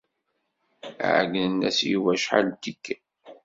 Ɛeggnen-as i Yuba acḥal n tikkal.